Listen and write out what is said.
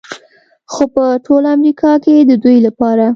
خو په ټول امریکا کې د دوی لپاره